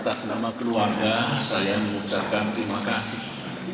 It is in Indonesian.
atas nama keluarga saya mengucapkan terima kasih